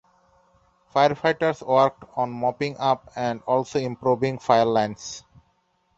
Firefighters worked on mopping up and also improving fire lines.